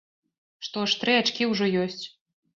Што ж, тры ачкі ўжо ёсць.